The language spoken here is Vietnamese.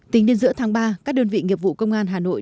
tính đến giữa tháng ba các đơn vị nghiệp vụ công an hà nội